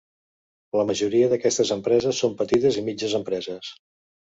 La majoria d'aquestes empreses són petites i mitges empreses.